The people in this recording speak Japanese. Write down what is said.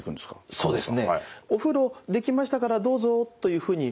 そうですね。